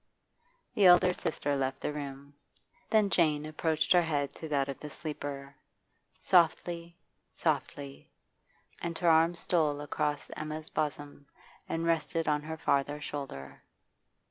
The elder sister left the room. Then Jane approached her head to that of the sleeper, softly, softly, and her arm stole across Emma's bosom and rested on her farther shoulder.